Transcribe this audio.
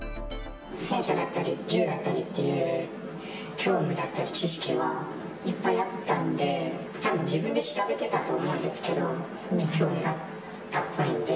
戦車だったり、銃だったりという、興味だったり知識はいっぱいあったんで、たぶん、自分で調べてたと思うんですけれども、すごい興味があったっぽいんで。